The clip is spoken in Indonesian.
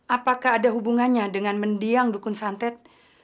apakah ada hubungannya dengan mendiang dukun santet